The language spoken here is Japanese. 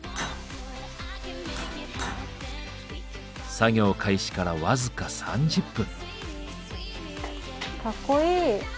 作業開始から僅か３０分。